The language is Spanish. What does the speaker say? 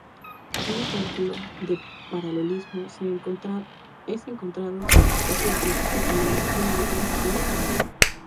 Un ejemplo de paralelismo es encontrado casi al principio cuando Martin Luther King Jr.